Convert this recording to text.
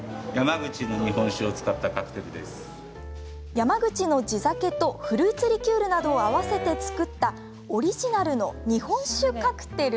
山口の地酒とフルーツリキュールなどを合わせて作ったオリジナルの日本酒カクテル。